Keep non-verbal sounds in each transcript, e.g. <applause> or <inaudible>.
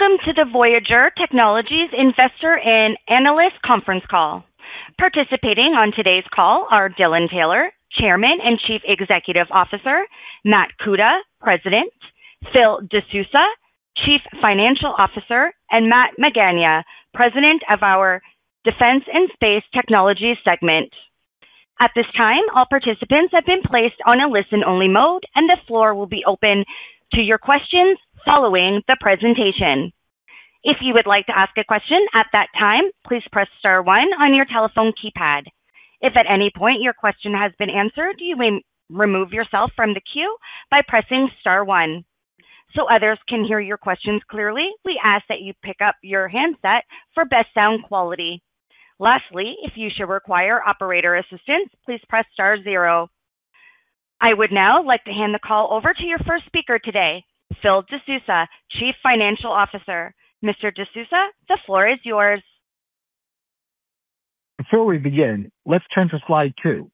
Welcome to the Voyager Technologies Investor and Analyst Conference Call. Participating on today's call are Dylan Taylor, Chairman and Chief Executive Officer, Matt Kuta, President, Phil De Sousa, Chief Financial Officer, and Matt Magaña, President of our Defense & Space Technology segment. At this time, all participants have been placed on a listen-only mode, and the floor will be open to your questions following the presentation. If you would like to ask a question at that time, please press star one on your telephone keypad. If at any point your question has been answered, you may remove yourself from the queue by pressing star one. Others can hear your questions clearly, we ask that you pick up your handset for best sound quality. Lastly, if you should require operator assistance, please press star zero. I would now like to hand the call over to your first speaker today, Phil De Sousa, Chief Financial Officer. Mr. De Sousa, the floor is yours. Before we begin, let's turn to slide two.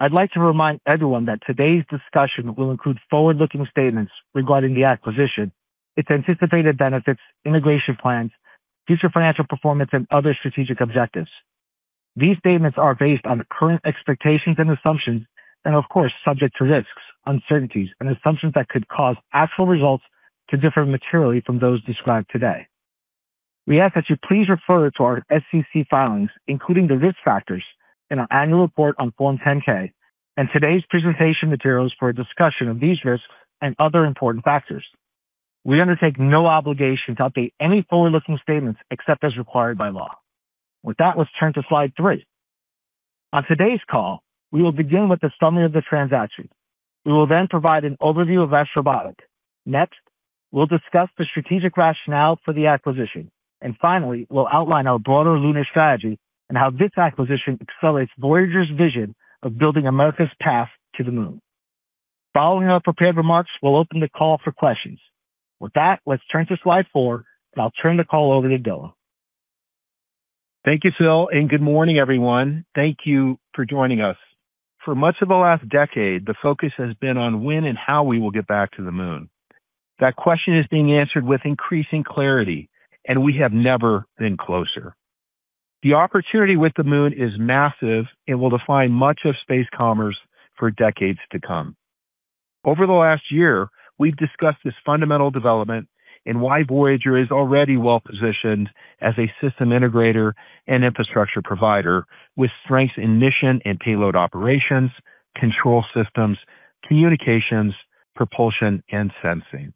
I'd like to remind everyone that today's discussion will include forward-looking statements regarding the acquisition, its anticipated benefits, integration plans, future financial performance, and other strategic objectives. These statements are based on the current expectations and assumptions and, of course, subject to risks, uncertainties, and assumptions that could cause actual results to differ materially from those described today. We ask that you please refer to our SEC filings, including the risk factors in our annual report on Form 10-K and today's presentation materials for a discussion of these risks and other important factors. We undertake no obligation to update any forward-looking statements except as required by law. With that, let's turn to slide three. On today's call, we will begin with the summary of the transaction. We will then provide an overview of Astrobotic. Next, we'll discuss the strategic rationale for the acquisition. Finally, we'll outline our broader lunar strategy and how this acquisition accelerates Voyager's vision of building America's path to the Moon. Following our prepared remarks, we'll open the call for questions. With that, let's turn to slide four, and I'll turn the call over to Dylan. Thank you, Phil, good morning, everyone. Thank you for joining us. For much of the last decade, the focus has been on when and how we will get back to the Moon. That question is being answered with increasing clarity, and we have never been closer. The opportunity with the Moon is massive and will define much of space commerce for decades to come. Over the last year, we've discussed this fundamental development and why Voyager is already well-positioned as a system integrator and infrastructure provider with strengths in mission and payload operations, control systems, communications, propulsion, and sensing.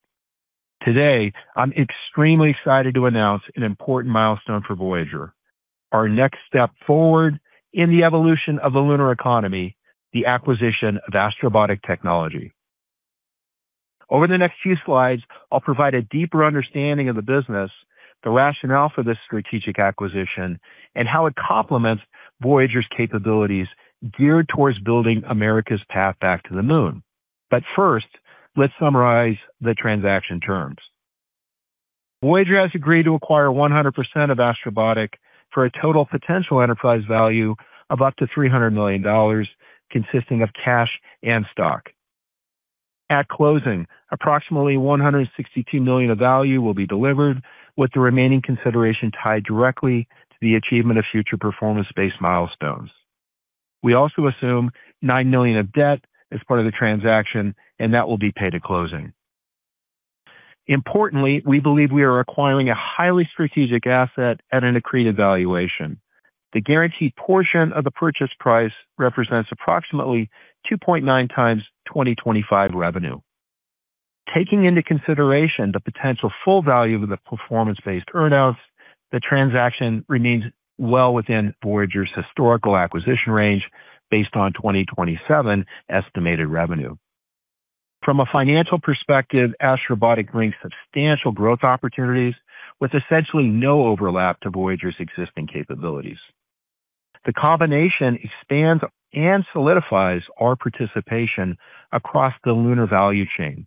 Today, I'm extremely excited to announce an important milestone for Voyager, our next step forward in the evolution of the lunar economy, the acquisition of Astrobotic Technology. Over the next few slides, I'll provide a deeper understanding of the business, the rationale for this strategic acquisition, and how it complements Voyager's capabilities geared towards building America's path back to the Moon. First, let's summarize the transaction terms. Voyager has agreed to acquire 100% of Astrobotic for a total potential enterprise value of up to $300 million, consisting of cash and stock. At closing, approximately $162 million of value will be delivered, with the remaining consideration tied directly to the achievement of future performance-based milestones. We also assume $9 million of debt as part of the transaction, and that will be paid at closing. Importantly, we believe we are acquiring a highly strategic asset at an accretive valuation. The guaranteed portion of the purchase price represents approximately 2.9x 2025 revenue. Taking into consideration the potential full value of the performance-based earn-outs, the transaction remains well within Voyager Technologies' historical acquisition range based on 2027 estimated revenue. From a financial perspective, Astrobotic brings substantial growth opportunities with essentially no overlap to Voyager's existing capabilities. The combination expands and solidifies our participation across the lunar value chain,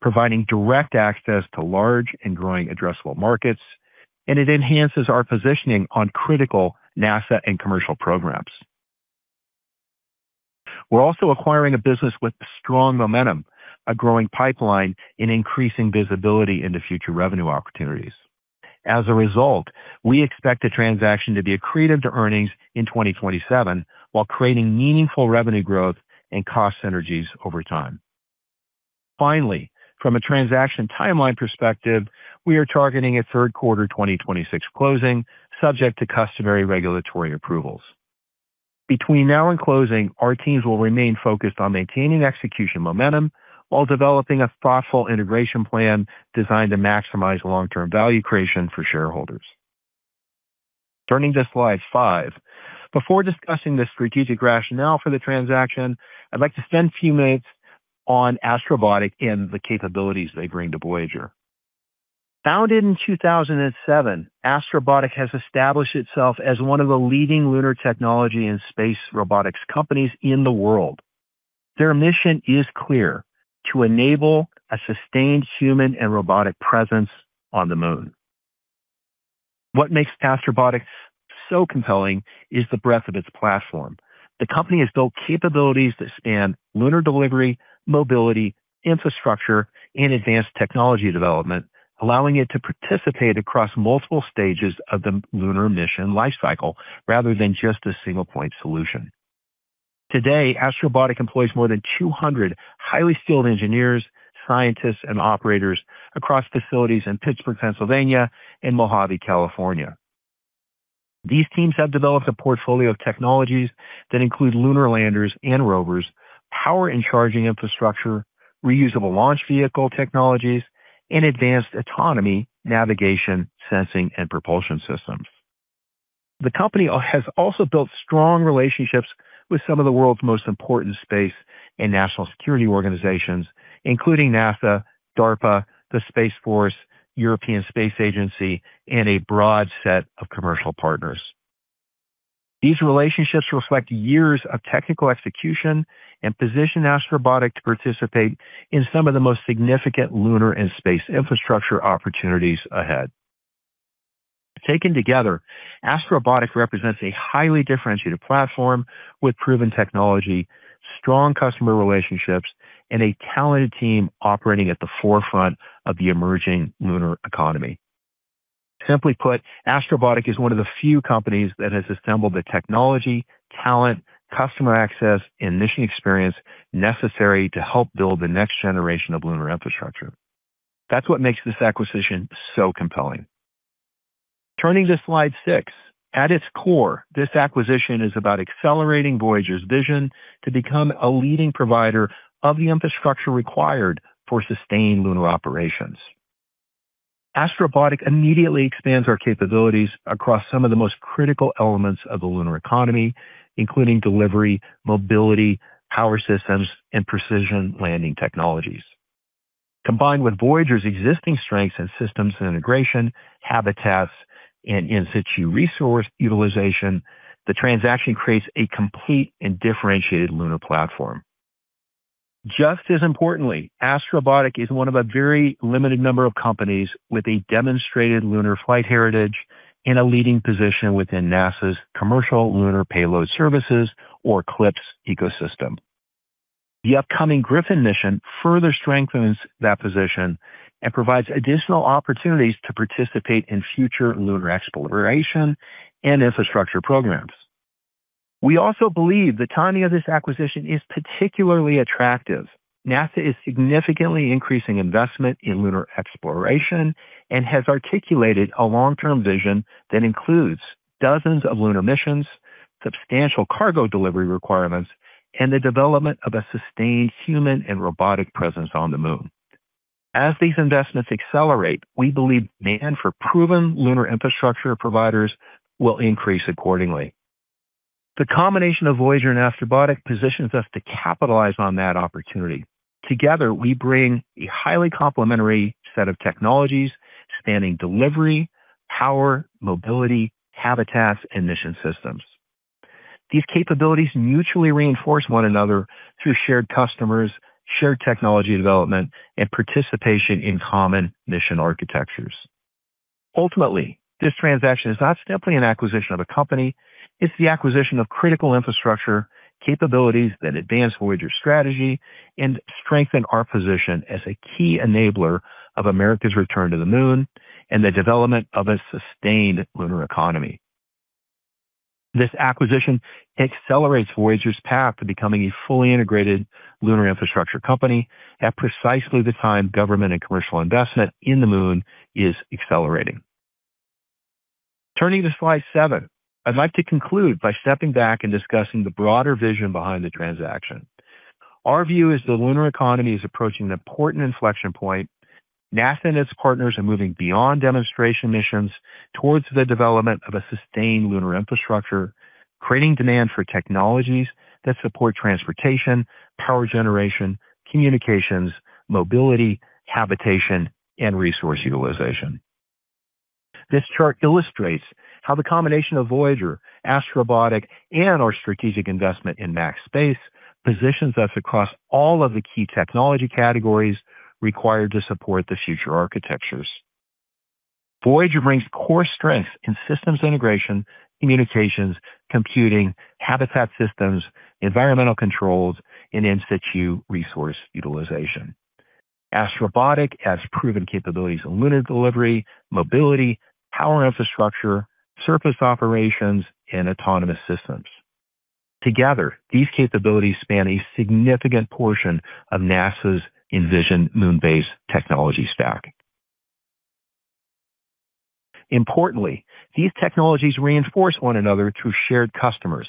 providing direct access to large and growing addressable markets, and it enhances our positioning on critical NASA and commercial programs. We're also acquiring a business with strong momentum, a growing pipeline, and increasing visibility into future revenue opportunities. As a result, we expect the transaction to be accretive to earnings in 2027 while creating meaningful revenue growth and cost synergies over time. Finally, from a transaction timeline perspective, we are targeting a third quarter 2026 closing, subject to customary regulatory approvals. Between now and closing, our teams will remain focused on maintaining execution momentum while developing a thoughtful integration plan designed to maximize long-term value creation for shareholders. Turning to slide five. Before discussing the strategic rationale for the transaction, I'd like to spend a few minutes on Astrobotic and the capabilities they bring to Voyager. Founded in 2007, Astrobotic has established itself as one of the leading lunar technology and space robotics companies in the world. Their mission is clear: to enable a sustained human and robotic presence on the Moon. What makes Astrobotic so compelling is the breadth of its platform. The company has built capabilities that span lunar delivery, mobility, infrastructure, and advanced technology development, allowing it to participate across multiple stages of the lunar mission life cycle rather than just a single-point solution. Today, Astrobotic employs more than 200 highly skilled engineers, scientists, and operators across facilities in Pittsburgh, Pennsylvania, and Mojave, California. These teams have developed a portfolio of technologies that include lunar landers and rovers, power and charging infrastructure, reusable launch vehicle technologies, and advanced autonomy, navigation, sensing, and propulsion systems. The company has also built strong relationships with some of the world's most important space and national security organizations, including NASA, DARPA, the Space Force, European Space Agency, and a broad set of commercial partners. These relationships reflect years of technical execution and position Astrobotic to participate in some of the most significant lunar and space infrastructure opportunities ahead. Taken together, Astrobotic represents a highly differentiated platform with proven technology, strong customer relationships, and a talented team operating at the forefront of the emerging lunar economy. Simply put, Astrobotic is one of the few companies that has assembled the technology, talent, customer access, and mission experience necessary to help build the next generation of lunar infrastructure. That's what makes this acquisition so compelling. Turning to slide six. At its core, this acquisition is about accelerating Voyager's vision to become a leading provider of the infrastructure required for sustained lunar operations. Astrobotic immediately expands our capabilities across some of the most critical elements of the lunar economy, including delivery, mobility, power systems, and precision landing technologies. Combined with Voyager's existing strengths in systems integration, habitats, and in-situ resource utilization, the transaction creates a complete and differentiated lunar platform. Just as importantly, Astrobotic is one of a very limited number of companies with a demonstrated lunar flight heritage and a leading position within NASA's Commercial Lunar Payload Services, or CLPS ecosystem. The upcoming Griffin mission further strengthens that position and provides additional opportunities to participate in future lunar exploration and infrastructure programs. We also believe the timing of this acquisition is particularly attractive. NASA is significantly increasing investment in lunar exploration and has articulated a long-term vision that includes dozens of lunar missions, substantial cargo delivery requirements, and the development of a sustained human and robotic presence on the Moon. As these investments accelerate, we believe demand for proven lunar infrastructure providers will increase accordingly. The combination of Voyager and Astrobotic positions us to capitalize on that opportunity. Together, we bring a highly complementary set of technologies spanning delivery, power, mobility, habitats, and mission systems. These capabilities mutually reinforce one another through shared customers, shared technology development, and participation in common mission architectures. Ultimately, this transaction is not simply an acquisition of a company, it's the acquisition of critical infrastructure capabilities that advance Voyager's strategy and strengthen our position as a key enabler of America's return to the Moon and the development of a sustained lunar economy. This acquisition accelerates Voyager's path to becoming a fully integrated lunar infrastructure company at precisely the time government and commercial investment in the Moon is accelerating. Turning to slide seven. I'd like to conclude by stepping back and discussing the broader vision behind the transaction. Our view is the lunar economy is approaching an important inflection point. NASA and its partners are moving beyond demonstration missions towards the development of a sustained lunar infrastructure, creating demand for technologies that support transportation, power generation, communications, mobility, habitation, and resource utilization. This chart illustrates how the combination of Voyager, Astrobotic, and our strategic investment in Max Space positions us across all of the key technology categories required to support the future architectures. Voyager brings core strengths in systems integration, communications, computing, habitat systems, environmental controls, and in-situ resource utilization. Astrobotic has proven capabilities in lunar delivery, mobility, power infrastructure, surface operations, and autonomous systems. Together, these capabilities span a significant portion of NASA's envisioned Moon Base technology stack. Importantly, these technologies reinforce one another through shared customers,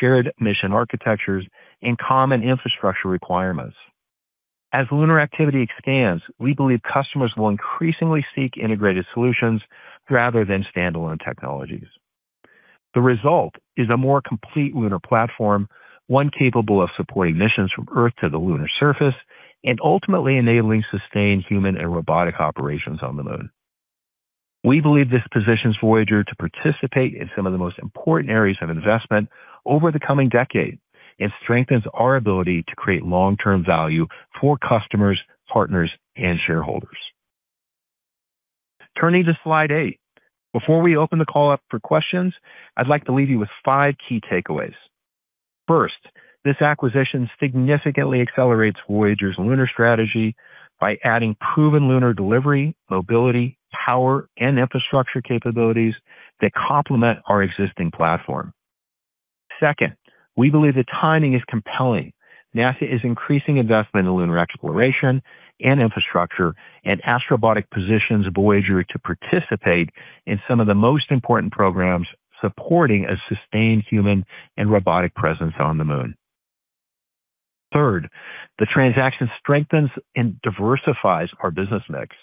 shared mission architectures, and common infrastructure requirements. As lunar activity expands, we believe customers will increasingly seek integrated solutions rather than standalone technologies. The result is a more complete lunar platform, one capable of supporting missions from Earth to the lunar surface, and ultimately enabling sustained human and robotic operations on the moon. We believe this positions Voyager to participate in some of the most important areas of investment over the coming decade. Strengthens our ability to create long-term value for customers, partners, and shareholders. Turning to slide eight. Before we open the call up for questions, I'd like to leave you with five key takeaways. First, this acquisition significantly accelerates Voyager's lunar strategy by adding proven lunar delivery, mobility, power, and infrastructure capabilities that complement our existing platform. Second, we believe the timing is compelling. NASA is increasing investment in lunar exploration and infrastructure. Astrobotic positions Voyager to participate in some of the most important programs supporting a sustained human and robotic presence on the Moon. Third, the transaction strengthens and diversifies our business mix.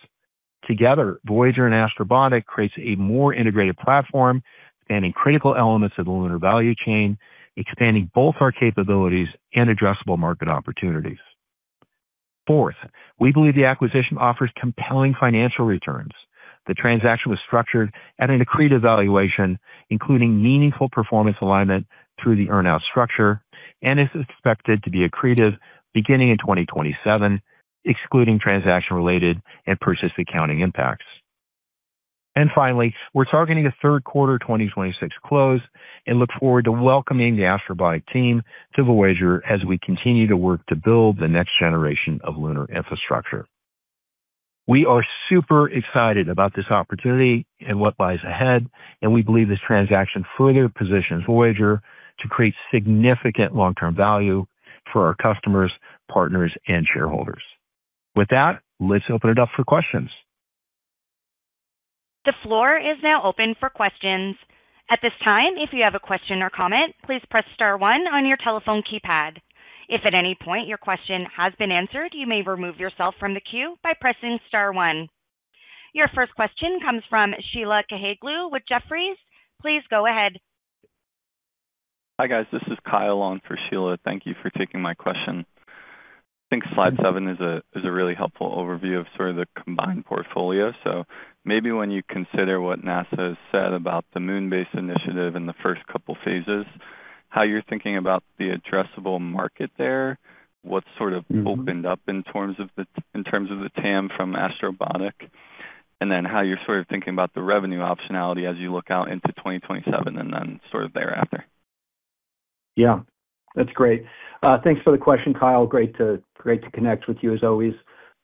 Together, Voyager and Astrobotic creates a more integrated platform spanning critical elements of the lunar value chain, expanding both our capabilities and addressable market opportunities. Fourth, we believe the acquisition offers compelling financial returns. The transaction was structured at an accretive valuation, including meaningful performance alignment through the earn-out structure, and is expected to be accretive beginning in 2027, excluding transaction-related and purchase accounting impacts. Finally, we're targeting a third quarter 2026 close and look forward to welcoming the Astrobotic team to Voyager as we continue to work to build the next-generation of lunar infrastructure. We are super excited about this opportunity and what lies ahead, and we believe this transaction further positions Voyager to create significant long-term value for our customers, partners, and shareholders. With that, let's open it up for questions. The floor is now open for questions. At this time, if you have a question or comment, please press star one on your telephone keypad. If at any point your question has been answered, you may remove yourself from the queue by pressing star one. Your first question comes from Sheila Kahyaoglu with Jefferies. Please go ahead. Hi, guys. This is Kyle on for Sheila. Thank you for taking my question. I think slide seven is a really helpful overview of sort of the combined portfolio. When you consider what NASA has said about the Moon Base initiative in the first couple phases, how you're thinking about the addressable market there, what sort of opened up in terms of the TAM from Astrobotic, and then how you're sort of thinking about the revenue optionality as you look out into 2027 and then sort of thereafter. Yeah. That's great. Thanks for the question, Kyle. Great to connect with you, as always.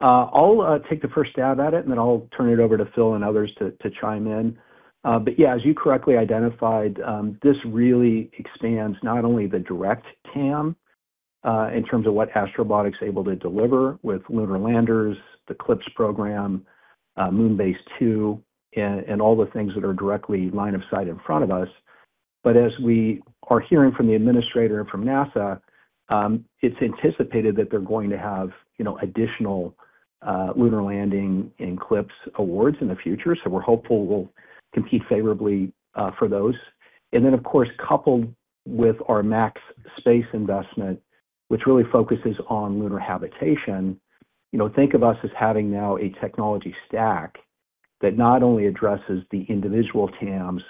I'll take the first stab at it, and then I'll turn it over to Phil and others to chime in. Yeah, as you correctly identified, this really expands not only the direct TAM, in terms of what Astrobotic's able to deliver with lunar landers, the CLPS program, Moon Base II, and all the things that are directly line of sight in front of us. As we are hearing from the Administrator and from NASA, it's anticipated that they're going to have additional lunar landing and CLPS awards in the future. We're hopeful we'll compete favorably for those. Of course, coupled with our Max Space investment, which really focuses on lunar habitation. Think of us as having now a technology stack that not only addresses the individual TAMs,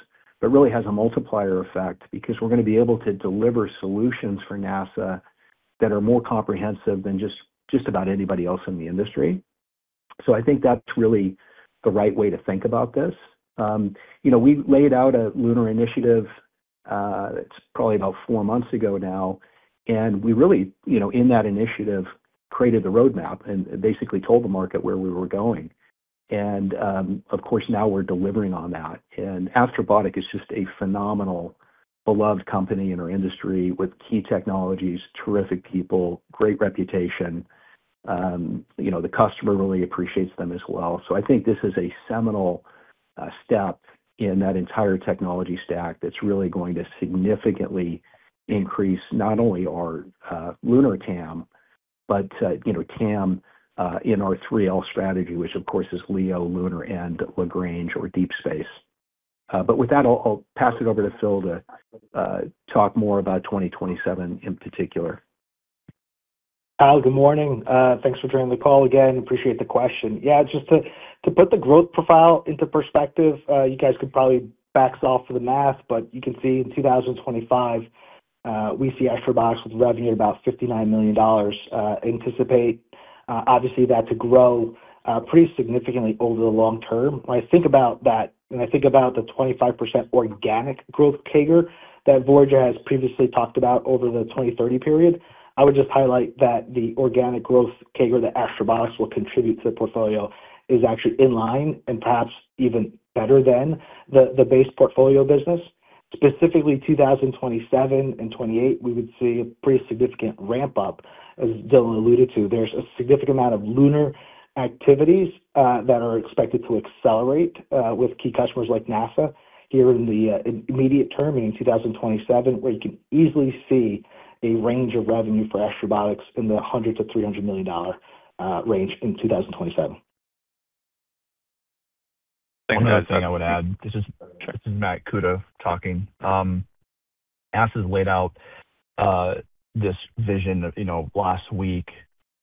but really has a multiplier effect because we're going to be able to deliver solutions for NASA that are more comprehensive than just about anybody else in the industry. I think that's really the right way to think about this. We laid out a lunar initiative, it's probably about four months ago now, and we really, in that initiative, created the roadmap and basically told the market where we were going. Of course, now we're delivering on that. Astrobotic is just a phenomenal, beloved company in our industry with key technologies, terrific people, great reputation. The customer really appreciates them as well. I think this is a seminal step in that entire technology stack that's really going to significantly increase not only our lunar TAM but TAM in our 3L strategy, which of course is LEO, Lunar, and Lagrange or deep space. With that, I'll pass it over to Phil to talk more about 2027 in particular. Kyle, good morning. Thanks for joining the call again. Appreciate the question. Just to put the growth profile into perspective, you guys could probably back off of the math, but you can see in 2025, we see Astrobotic with revenue at about $59 million. Anticipate obviously that to grow pretty significantly over the long term. When I think about that, and I think about the 25% organic growth CAGR that Voyager has previously talked about over the 2030 period, I would just highlight that the organic growth CAGR that Astrobotic will contribute to the portfolio is actually in line and perhaps even better than the base portfolio business. Specifically 2027 and 2028, we would see a pretty significant ramp-up. As Dylan alluded to, there's a significant amount of lunar activities that are expected to accelerate with key customers like NASA here in the immediate term, meaning 2027, where you can easily see a range of revenue for Astrobotic in the $100 million-$300 million range in 2027. One other thing I would add. This is Matt Kuta talking. NASA's laid out this vision last week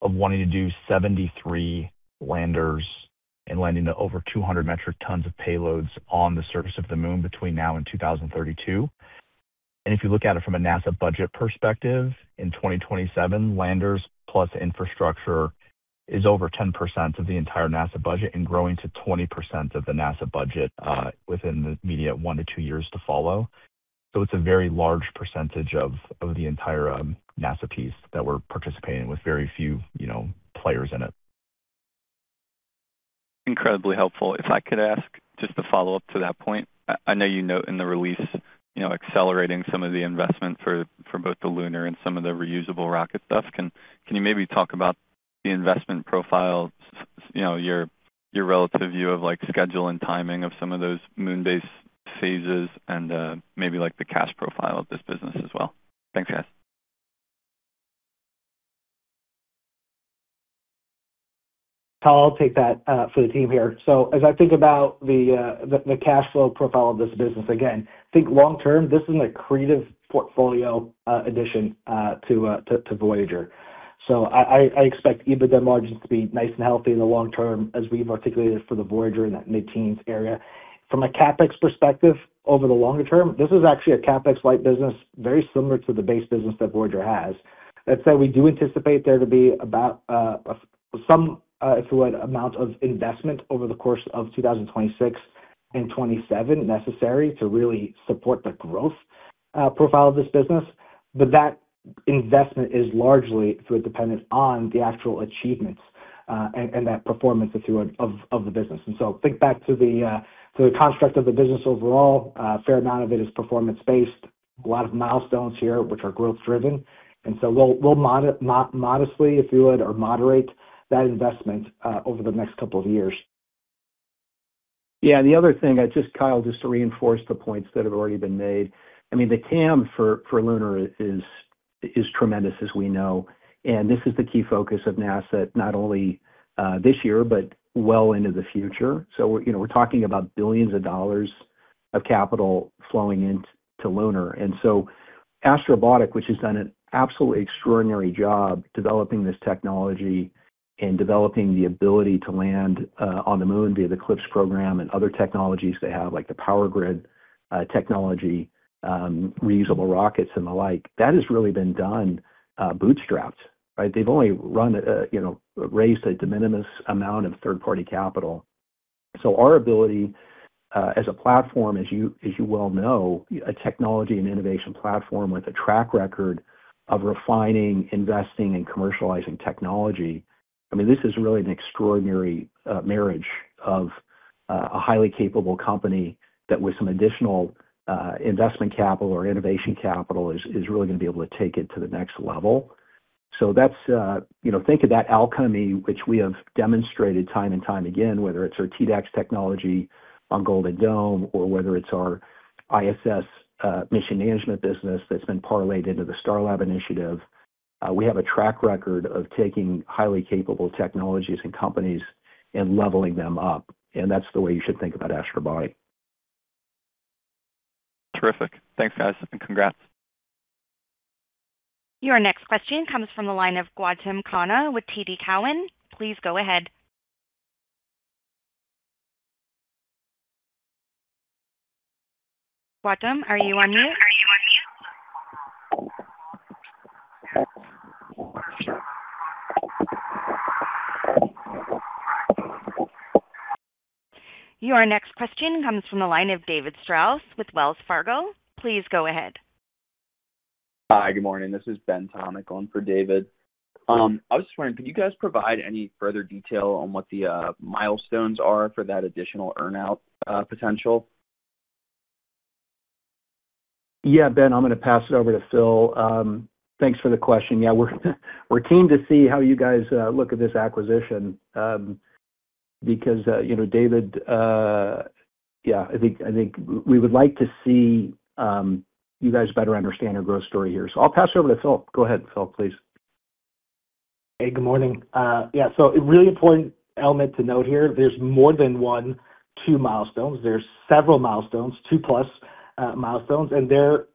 of wanting to do 73 landers and landing the over 200 metric tons of payloads on the surface of the Moon between now and 2032. If you look at it from a NASA budget perspective, in 2027, Landers + Infrastructure is over 10% of the entire NASA budget and growing to 20% of the NASA budget within the immediate one to two years to follow. It's a very large percentage of the entire NASA piece that we're participating with very few players in it. Incredibly helpful. If I could ask just a follow-up to that point. I know you note in the release, accelerating some of the investment for both the lunar and some of the reusable rocket stuff. Can you maybe talk about the investment profile, your relative view of schedule and timing of some of those Moon Base phases and maybe the cash profile of this business as well? Thanks, guys. Kyle, I'll take that for the team here. As I think about the cash flow profile of this business, again, think long-term, this is a creative portfolio addition to Voyager. I expect EBITDA margins to be nice and healthy in the long term, as we've articulated for the Voyager in that mid-teens area. From a CapEx perspective, over the longer term, this is actually a CapEx light business very similar to the base business that Voyager has. That said, we do anticipate there to be about some amount of investment over the course of 2026 and 2027 necessary to really support the growth profile of this business. That investment is largely through a dependence on the actual achievements, and that performance of the business. Think back to the construct of the business overall. A fair amount of it is performance-based. A lot of milestones here, which are growth-driven. We'll modestly, if you would, or moderate that investment over the next couple of years. Yeah, the other thing, Kyle, just to reinforce the points that have already been made. The TAM for lunar is tremendous as we know, and this is the key focus of NASA, not only this year, but well into the future. We're talking about billions of dollars of capital flowing into lunar. Astrobotic, which has done an absolutely extraordinary job developing this technology and developing the ability to land on the Moon via the CLPS program and other technologies they have, like the power grid technology, reusable rockets, and the like. That has really been done bootstrapped. They've only raised a de minimis amount of third-party capital. Our ability as a platform, as you well know, a technology and innovation platform with a track record of refining, investing, and commercializing technology. This is really an extraordinary marriage of a highly capable company that with some additional investment capital or innovation capital is really going to be able to take it to the next level. Think of that alchemy which we have demonstrated time and time again, whether it's our TDACS technology on Golden Dome or whether it's our ISS mission management business that's been parlayed into the Starlab initiative. We have a track record of taking highly capable technologies and companies and leveling them up, and that's the way you should think about Astrobotic. Terrific. Thanks, guys, and congrats. Your next question comes from the line of Gautam Khanna with TD Cowen. Please go ahead. Gautam, are you on mute? Your next question comes from the line of David Strauss with Wells Fargo. Please go ahead. Hi, good morning. This is Ben Tomick on for David. I was just wondering, could you guys provide any further detail on what the milestones are for that additional earn-out potential? Yeah, Ben, I'm going to pass it over to Phil. Thanks for the question. Yeah, we're keen to see how you guys look at this acquisition. [David], I think we would like to see you guys better understand our growth story here. I'll pass it over to Phil. Go ahead, Phil, please. Good morning. There's several milestones, two-plus milestones, and they're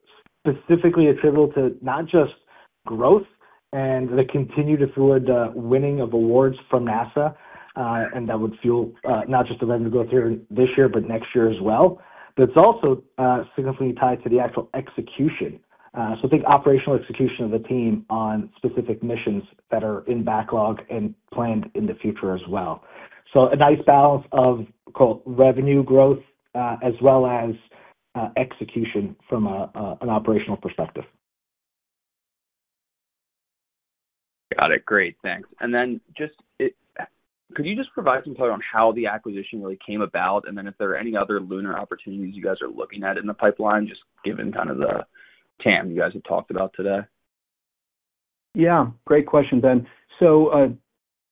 specifically attributable to not just growth and the continued winning of awards from NASA. That would fuel not just the revenue growth here this year, but next year as well. It's also significantly tied to the actual execution. Think operational execution of the team on specific missions that are in backlog and planned in the future as well. A nice balance of revenue growth, as well as execution from an operational perspective. Got it. Great. Thanks. Could you just provide some color on how the acquisition really came about, and then if there are any other lunar opportunities you guys are looking at in the pipeline, just given kind of the TAM you guys have talked about today? Great question, Ben.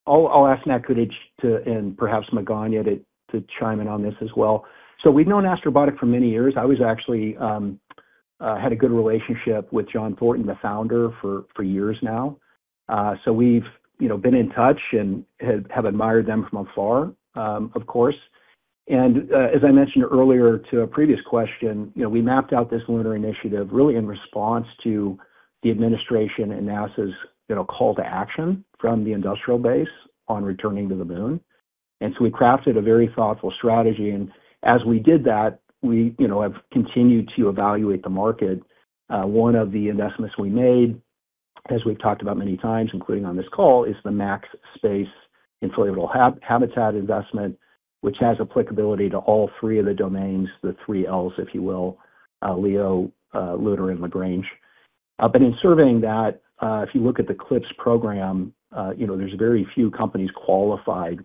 I'll ask Matt Kuta and perhaps Magaña to chime in on this as well. We've known Astrobotic for many years. I actually had a good relationship with John Thornton, the founder, for years now. We've been in touch and have admired them from afar, of course. As I mentioned earlier to a previous question, we mapped out this lunar initiative really in response to the administration and NASA's call to action from the industrial base on returning to the Moon. We crafted a very thoughtful strategy. As we did that, we have continued to evaluate the market. One of the investments we made, as we've talked about many times, including on this call, is the Max Space inflatable habitat investment, which has applicability to all three of the domains, the three Ls, if you will, LEO, Lunar, and Lagrange. In surveying that, if you look at the CLPS program, there's very few companies qualified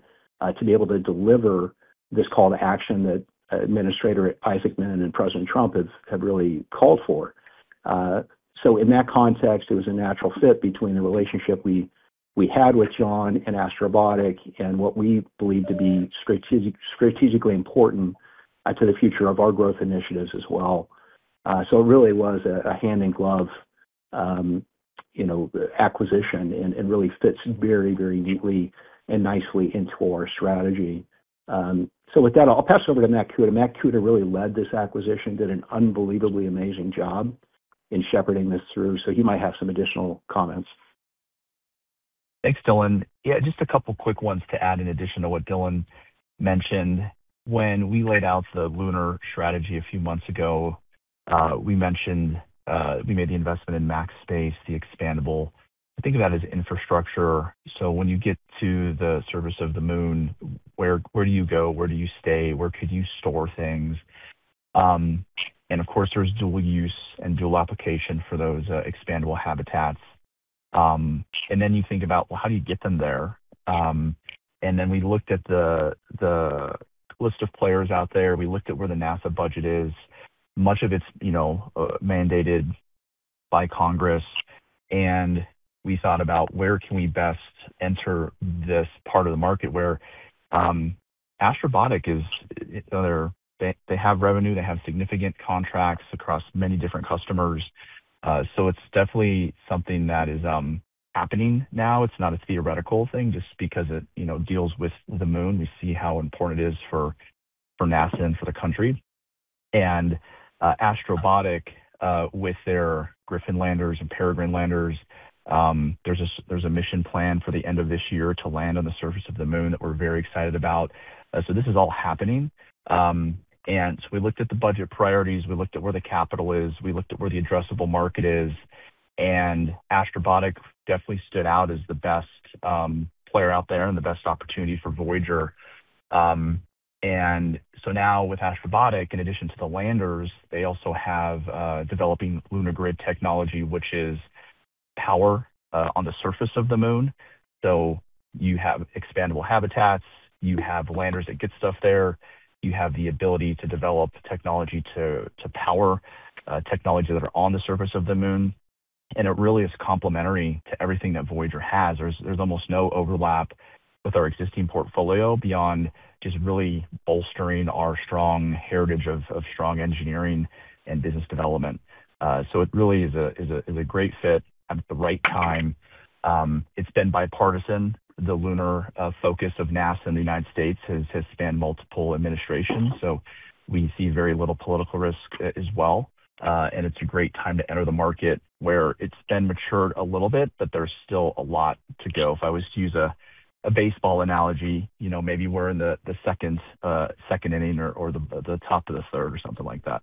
to be able to deliver this call to action that Administrator Isaacman and President Trump have really called for. In that context, it was a natural fit between the relationship we had with John and Astrobotic and what we believe to be strategically important to the future of our growth initiatives as well. It really was a hand-in-glove acquisition and really fits very neatly and nicely into our strategy. With that, I'll pass it over to Matt Kuta. Matt Kuta really led this acquisition, did an unbelievably amazing job in shepherding this through. He might have some additional comments. Thanks, Dylan. Yeah, just a couple of quick ones to add in addition to what Dylan mentioned. When we laid out the lunar strategy a few months ago, we made the investment in Max Space, the expandable. Think of that as infrastructure. When you get to the surface of the moon, where do you go? Where do you stay? Where could you store things? Of course, there's dual use and dual application for those expandable habitats. Then you think about, well, how do you get them there? Then we looked at the list of players out there. We looked at where the NASA budget is. Much of it's mandated by Congress, and we thought about where can we best enter this part of the market where Astrobotic is. They have revenue, they have significant contracts across many different customers. It's definitely something that is happening now. It's not a theoretical thing just because it deals with the moon. We see how important it is for NASA and for the country. Astrobotic, with their Griffin landers and Peregrine landers, there's a mission plan for the end of this year to land on the surface of the moon that we're very excited about. This is all happening. We looked at the budget priorities. We looked at where the capital is. We looked at where the addressable market is. Astrobotic definitely stood out as the best player out there and the best opportunity for Voyager. Now with Astrobotic, in addition to the landers, they also have developing LunaGrid technology, which is power on the surface of the moon. You have expandable habitats. You have landers that get stuff there. You have the ability to develop technology to power technology that are on the surface of the Moon. It really is complementary to everything that Voyager has. There's almost no overlap with our existing portfolio beyond just really bolstering our strong heritage of strong engineering and business development. It really is a great fit at the right time. It's been bipartisan. The lunar focus of NASA and the United States has spanned multiple administrations. We see very little political risk as well. It's a great time to enter the market where it's been matured a little bit, but there's still a lot to go. If I was to use a baseball analogy, maybe we're in the second inning or the top of the third or something like that.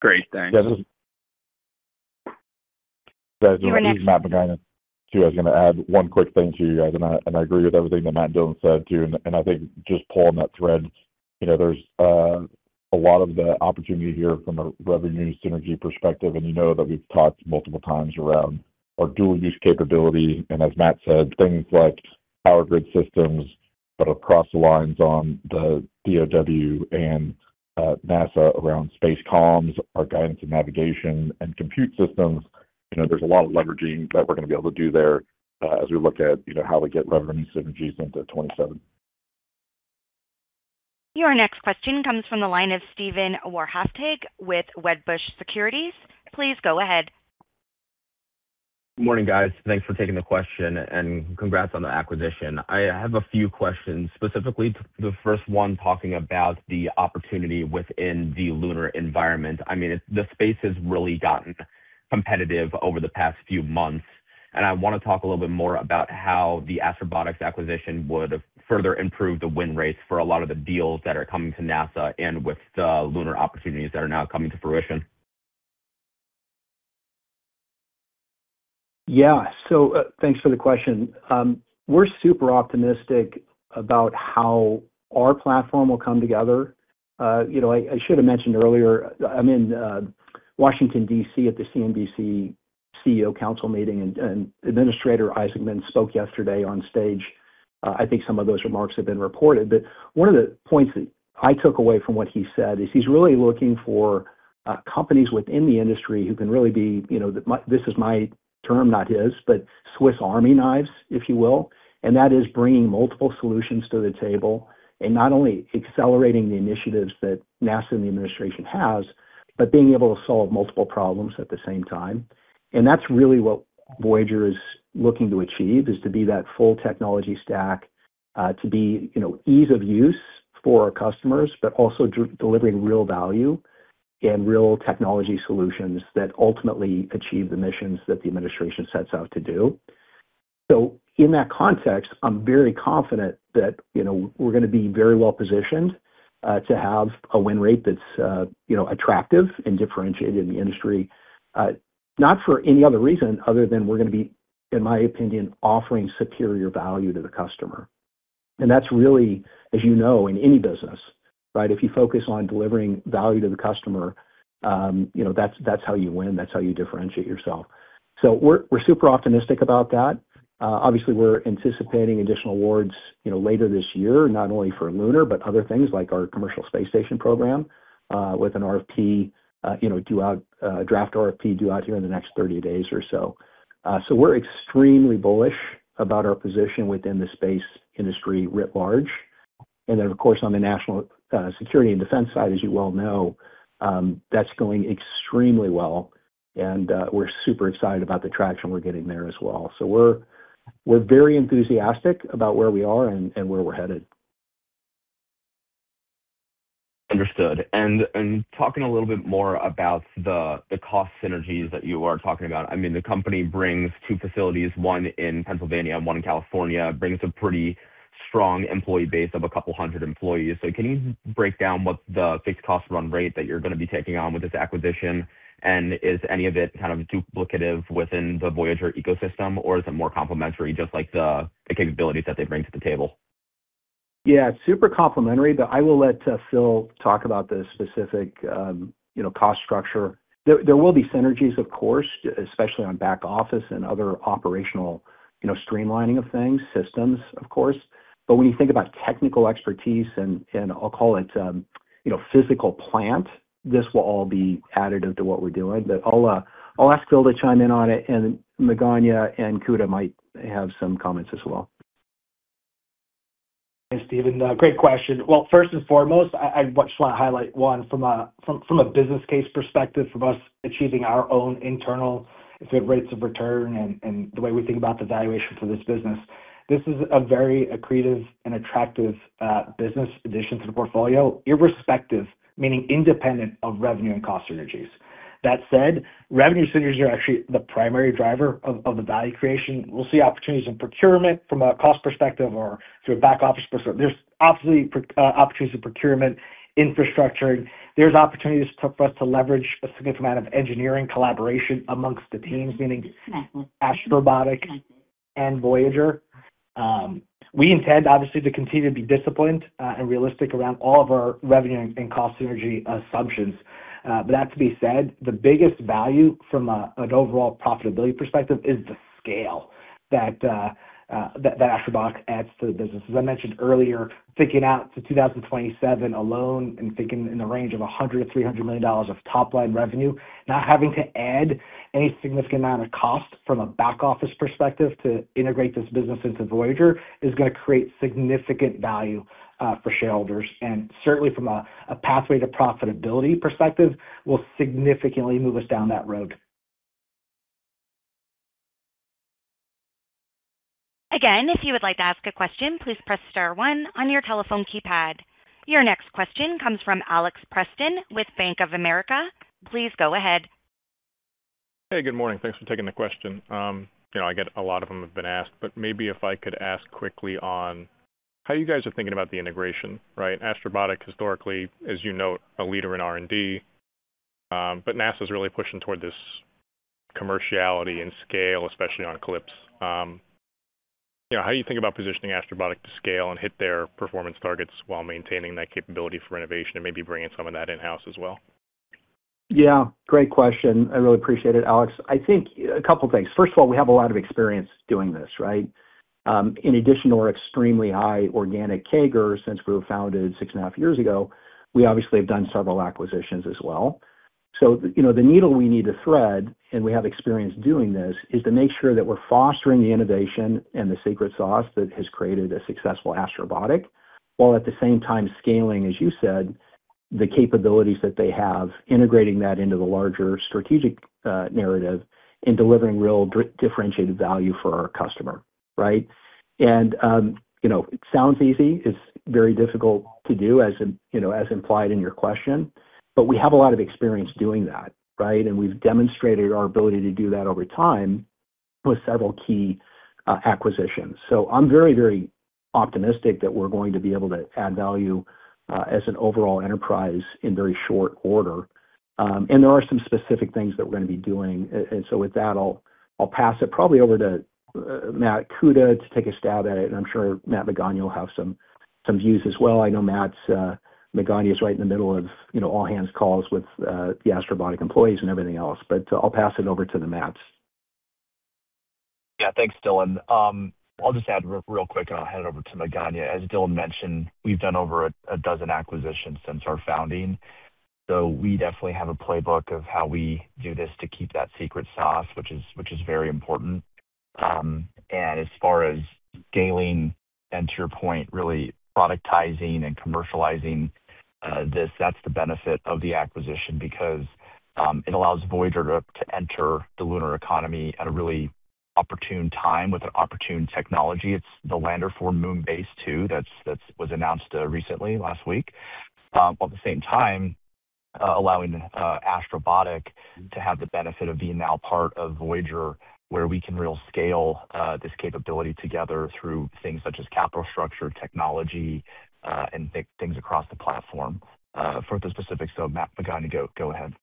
Great. Thanks. Yeah, <crosstalk> this is Matt Magaña. I was going to add one quick thing to you guys. I agree with everything that Matt and Dylan said, too. I think just pulling that thread, there's a lot of the opportunity here from a revenue synergy perspective. You know that we've talked multiple times around our dual-use capability. As Matt said, things like power grid systems that are cross lines on the DoW and NASA around space comms, our guidance and navigation, and compute systems. There's a lot of leveraging that we're going to be able to do there as we look at how we get leverage and synergies into 2027. Your next question comes from the line of Steven Wahrhaftig with Wedbush Securities. Please go ahead. Good morning, guys. Thanks for taking the question and congrats on the acquisition. I have a few questions, specifically the first one talking about the opportunity within the lunar environment. I mean, the space has really gotten competitive over the past few months. I want to talk a little bit more about how the Astrobotic's acquisition would further improve the win rates for a lot of the deals that are coming to NASA and with the lunar opportunities that are now coming to fruition. Yeah. Thanks for the question. We're super optimistic about how our platform will come together. I should have mentioned earlier, I'm in Washington, D.C. at the CNBC CEO Council Meeting, and Administrator Isaacman spoke yesterday on stage. I think some of those remarks have been reported. One of the points that I took away from what he said is he's really looking for companies within the industry who can really be, this is my term, not his, but Swiss Army knives, if you will, and that is bringing multiple solutions to the table and not only accelerating the initiatives that NASA and the administration has, but being able to solve multiple problems at the same time. That's really what Voyager is looking to achieve, is to be that full technology stack, to be ease of use for our customers, but also delivering real value and real technology solutions that ultimately achieve the missions that the administration sets out to do. In that context, I'm very confident that we're going to be very well-positioned to have a win rate that's attractive and differentiated in the industry. Not for any other reason other than we're going to be, in my opinion, offering superior value to the customer. That's really, as you know, in any business. If you focus on delivering value to the customer, that's how you win, that's how you differentiate yourself. We're super optimistic about that. Obviously, we're anticipating additional awards later this year, not only for lunar, but other things like our commercial space station program, with a draft RFP due out here in the next 30 days or so. We're extremely bullish about our position within the space industry writ large. Then, of course, on the national security and defense side, as you well know, that's going extremely well and we're super excited about the traction we're getting there as well. We're very enthusiastic about where we are and where we're headed. Understood. Talking a little bit more about the cost synergies that you are talking about. The company brings two facilities, one in Pennsylvania and one in California. Brings a pretty strong employee base of a couple hundred employees. Can you break down what the fixed cost run-rate that you're going to be taking on with this acquisition, and is any of it duplicative within the Voyager ecosystem, or is it more complementary, just like the capabilities that they bring to the table? Yeah. Super complementary, but I will let Phil talk about the specific cost structure. There will be synergies, of course, especially on back office and other operational streamlining of things, systems, of course. When you think about technical expertise and, I'll call it, physical plant, this will all be additive to what we're doing. I'll ask Phil to chime in on it, and Magaña and Kuta might have some comments as well. Thanks, Steven. Great question. First and foremost, I just want to highlight one from a business case perspective, from us achieving our own internal rates of return and the way we think about the valuation for this business. This is a very accretive and attractive business addition to the portfolio, irrespective, meaning independent of revenue and cost synergies. That said, revenue synergies are actually the primary driver of the value creation. We'll see opportunities in procurement from a cost perspective or through a back office perspective. There's obviously opportunities for procurement, infrastructure. There's opportunities for us to leverage a significant amount of engineering collaboration amongst the teams, meaning, Astrobotic and Voyager. We intend, obviously, to continue to be disciplined and realistic around all of our revenue and cost synergy assumptions. That to be said, the biggest value from an overall profitability perspective is the scale that Astrobotic adds to the business. As I mentioned earlier, thinking out to 2027 alone and thinking in the range of $100 million-$300 million of top-line revenue, not having to add any significant amount of cost from a back office perspective to integrate this business into Voyager is going to create significant value for shareholders. Certainly from a pathway to profitability perspective, will significantly move us down that road. Again, if you would like to ask a question, please press star one on your telephone keypad. Your next question comes from Alex Preston with Bank of America. Please go ahead. Hey, good morning. Thanks for taking the question. I get a lot of them have been asked, but maybe if I could ask quickly on how you guys are thinking about the integration, right? Astrobotic historically, as you note, a leader in R&D. NASA's really pushing toward this commerciality and scale, especially on CLPS. How are you thinking about positioning Astrobotic to scale and hit their performance targets while maintaining that capability for innovation and maybe bringing some of that in-house as well? Great question. I really appreciate it, Alex. I think a couple things. First of all, we have a lot of experience doing this. In addition to our extremely high organic CAGR since we were founded six and a half years ago, we obviously have done several acquisitions as well. The needle we need to thread, and we have experience doing this, is to make sure that we're fostering the innovation and the secret sauce that has created a successful Astrobotic, while at the same time scaling, as you said, the capabilities that they have, integrating that into the larger strategic narrative and delivering real differentiated value for our customer. Right? It sounds easy. It's very difficult to do, as implied in your question. We have a lot of experience doing that. We've demonstrated our ability to do that over time with several key acquisitions. I'm very optimistic that we're going to be able to add value as an overall enterprise in very short order. There are some specific things that we're going to be doing. With that, I'll pass it probably over to Matt Kuta to take a stab at it, and I'm sure Matt Magaña will have some views as well. I know Matt Magaña is right in the middle of all-hands calls with the Astrobotic employees and everything else. I'll pass it over to the Matts. Yeah. Thanks, Dylan. I'll just add real quick and I'll hand it over to Magaña. As Dylan mentioned, we've done over a dozen acquisitions since our founding. We definitely have a playbook of how we do this to keep that secret sauce, which is very important. As far as scaling and to your point, really productizing and commercializing this, that's the benefit of the acquisition because it allows Voyager to enter the lunar economy at a really opportune time with an opportune technology. It's the lander for Moon Base II. That was announced recently, last week. At the same time, allowing Astrobotic to have the benefit of being now part of Voyager, where we can real scale this capability together through things such as capital structure, technology, and things across the platform. For further specifics, though, Matt Magaña, go ahead.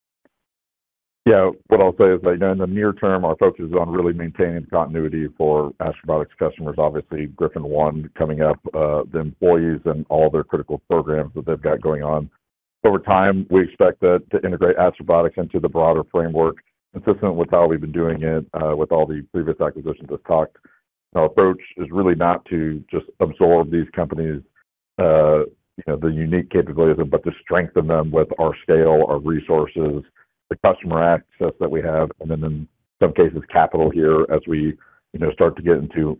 Yeah. What I'll say is that in the near term, our focus is on really maintaining continuity for Astrobotic's customers. Obviously, Griffin-1 coming up, the employees and all their critical programs that they've got going on. Over time, we expect to integrate Astrobotic into the broader framework, consistent with how we've been doing it with all the previous acquisitions I've talked. Our approach is really not to just absorb these companies, their unique capabilities, but to strengthen them with our scale, our resources, the customer access that we have, and then in some cases, capital here as we start to get into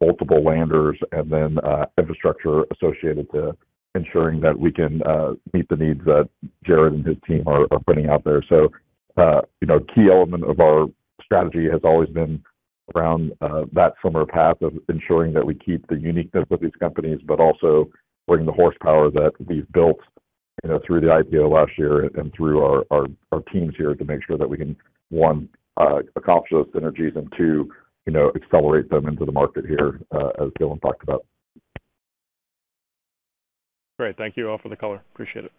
multiple landers and then infrastructure associated to ensuring that we can meet the needs that Jared and his team are putting out there. A key element of our strategy has always been around that similar path of ensuring that we keep the uniqueness of these companies, but also bring the horsepower that we've built through the IPO last year and through our teams here to make sure that we can, one, accomplish those synergies and two, accelerate them into the market here, as Dylan talked about. Great. Thank you all for the color. Appreciate it.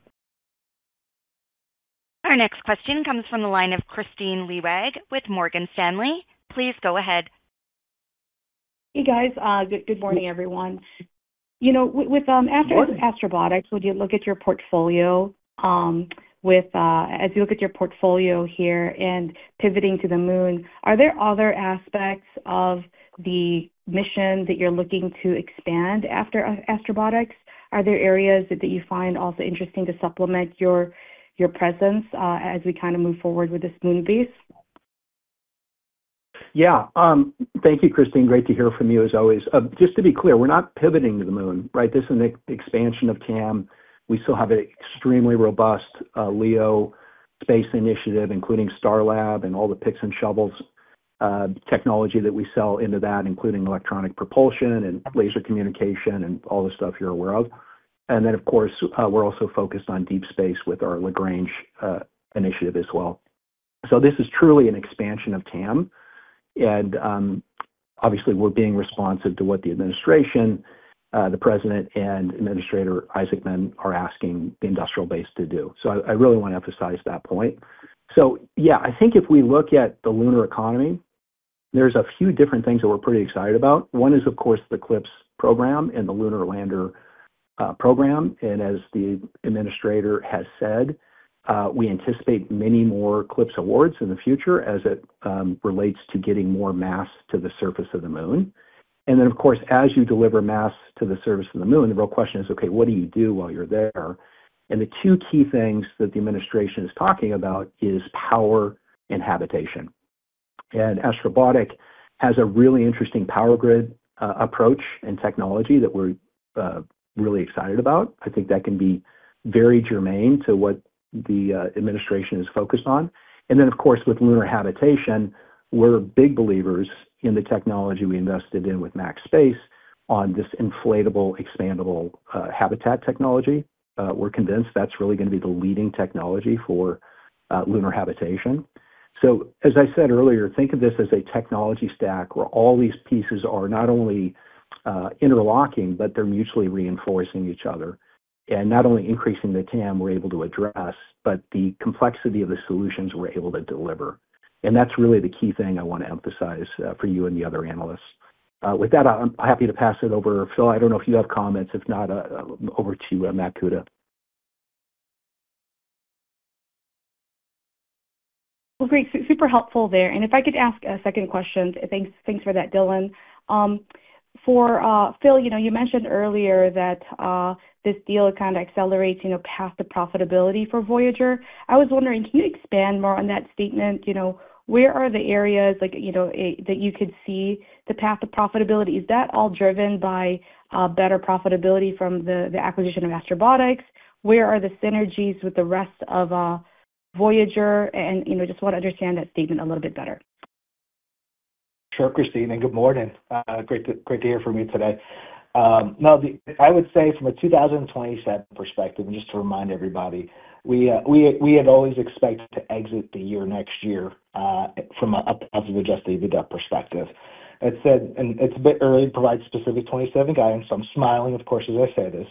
Our next question comes from the line of Kristine Liwag with Morgan Stanley. Please go ahead. Hey, guys. Good morning, everyone. With Astrobotic, when you look at your portfolio here and pivoting to the Moon, are there other aspects of the mission that you're looking to expand after Astrobotic? Are there areas that you find also interesting to supplement your presence as we move forward with this Moon Base? Thank you, Kristine. Great to hear from you as always. Just to be clear, we're not pivoting to the moon, right? This is an expansion of TAM. We still have an extremely robust LEO space initiative, including Starlab and all the picks and shovels technology that we sell into that, including electronic propulsion and laser communication and all the stuff you're aware of. Of course, we're also focused on deep space with our Lagrange initiative as well. This is truly an expansion of TAM. Obviously we're being responsive to what the Administration, the President, and Administrator Isaacman are asking the industrial base to do. I really want to emphasize that point. I think if we look at the lunar economy, there's a few different things that we're pretty excited about. One is, of course, the CLPS program and the Lunar Lander program. As the Administrator has said, we anticipate many more CLPS awards in the future as it relates to getting more mass to the surface of the moon. Of course, as you deliver mass to the surface of the moon, the real question is, okay, what do you do while you're there? The two key things that the Administration is talking about is power and habitation. Astrobotic has a really interesting power grid approach and technology that we're really excited about. I think that can be very germane to what the Administration is focused on. Of course, with lunar habitation, we're big believers in the technology we invested in with Max Space on this inflatable, expandable habitat technology. We're convinced that's really going to be the leading technology for lunar habitation. As I said earlier, think of this as a technology stack where all these pieces are not only interlocking, but they're mutually reinforcing each other. Not only increasing the TAM we're able to address, but the complexity of the solutions we're able to deliver. That's really the key thing I want to emphasize for you and the other analysts. With that, I'm happy to pass it over. Phil, I don't know if you have comments. If not, over to Matt Kuta. Well, great. Super helpful there. If I could ask a second question. Thanks for that, Dylan. For Phil, you mentioned earlier that this deal kind of accelerates path to profitability for Voyager Technologies. I was wondering, can you expand more on that statement? Where are the areas that you could see the path to profitability? Is that all driven by better profitability from the acquisition of Astrobotic? Where are the synergies with the rest of Voyager? Just want to understand that statement a little bit better. Sure, Kristine. Good morning. Great to hear from you today. I would say from a 2027 perspective, just to remind everybody, we had always expected to exit the year next year from an adjusted EBITDA perspective. It's a bit early to provide specific 2027 guidance. I'm smiling, of course, as I say this.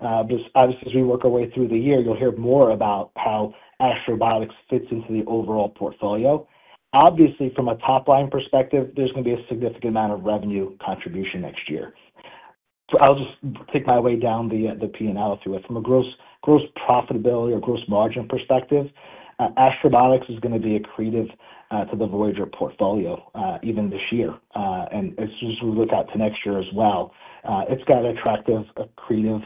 Obviously, as we work our way through the year, you'll hear more about how Astrobotic fits into the overall portfolio. Obviously, from a top-line perspective, there's going to be a significant amount of revenue contribution next year. I'll just pick my way down the P&L through it. From a gross profitability or gross margin perspective, Astrobotic is going to be accretive to the Voyager portfolio, even this year. As we look out to next year as well, it's got an attractive accretive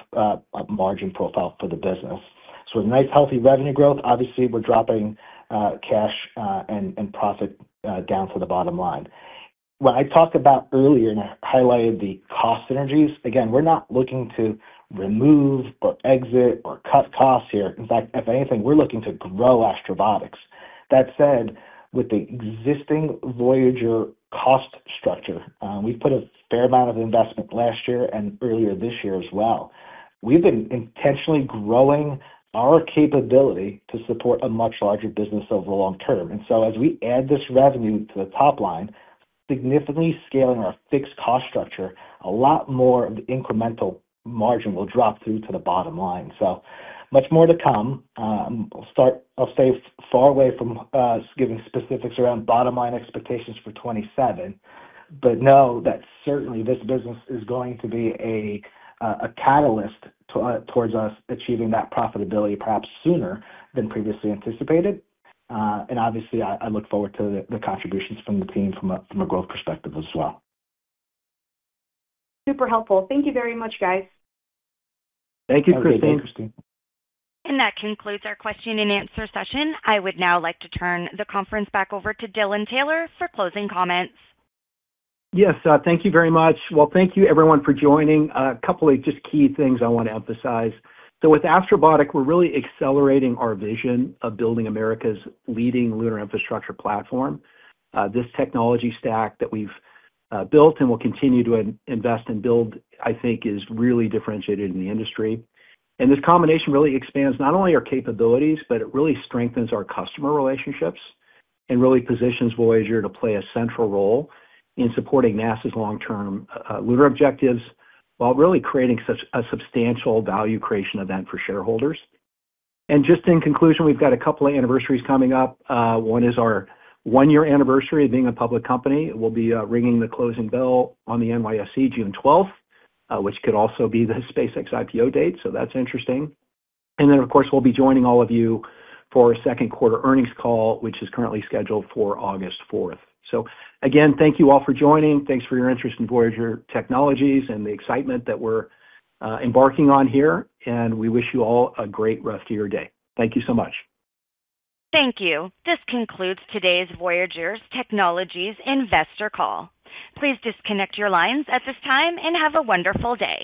margin profile for the business. With nice healthy revenue growth, obviously we're dropping cash and profit down to the bottom line. What I talked about earlier, and I highlighted the cost synergies. We're not looking to remove or exit or cut costs here. In fact, if anything, we're looking to grow Astrobotic. That said, with the existing Voyager cost structure, we've put a fair amount of investment last year and earlier this year as well. We've been intentionally growing our capability to support a much larger business over the long term. As we add this revenue to the top line, significantly scaling our fixed cost structure, a lot more of the incremental margin will drop through to the bottom line. Much more to come. I'll stay far away from giving specifics around bottom-line expectations for 2027, but know that certainly this business is going to be a catalyst towards us achieving that profitability perhaps sooner than previously anticipated. Obviously I look forward to the contributions from the team from a growth perspective as well. Super helpful. Thank you very much, guys. Thank you, Kristine. Okay, thanks, Kristine. That concludes our question and answer session. I would now like to turn the conference back over to Dylan Taylor for closing comments. Yes. Thank you very much. Thank you everyone for joining. A couple of just key things I want to emphasize. With Astrobotic, we're really accelerating our vision of building America's leading lunar infrastructure platform. This technology stack that we've built and will continue to invest and build, I think, is really differentiated in the industry. This combination really expands not only our capabilities, but it really strengthens our customer relationships and really positions Voyager to play a central role in supporting NASA's long-term lunar objectives while really creating a substantial value creation event for shareholders. Just in conclusion, we've got a couple of anniversaries coming up. One is our one-year anniversary of being a public company. We'll be ringing the closing bell on the NYSE June 12th, which could also be the SpaceX IPO date. That's interesting. Of course, we'll be joining all of you for our second quarter earnings call, which is currently scheduled for August 4th. Again, thank you all for joining. Thanks for your interest in Voyager Technologies and the excitement that we're embarking on here. We wish you all a great rest of your day. Thank you so much. Thank you. This concludes today's Voyager Technologies investor call. Please disconnect your lines at this time and have a wonderful day.